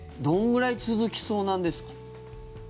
どんぐらい続きそうなんですか？